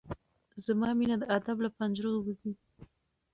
زما مينه د ادب له پنجرو وځي